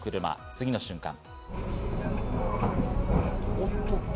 次の瞬間。